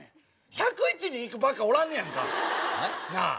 １０１人いくバカおらんねやんか。なあ。